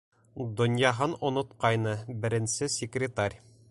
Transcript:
Донъяһын онотҡайны беренсе секретарь!